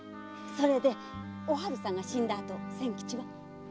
それでおはるさんが死んだあと千吉は？